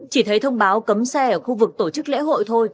chỉ thấy thông báo cấm xe ở khu vực tổ chức lễ hội thôi